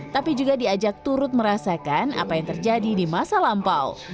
tapi juga diajak turut merasakan apa yang terjadi di masa lampau